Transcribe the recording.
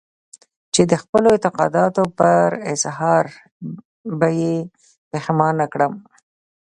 چې د خپلو اعتقاداتو پر اظهار به يې پښېمانه کړم.